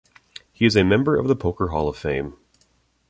He is a member of the Poker Hall of Fame.